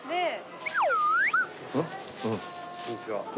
こんにちは。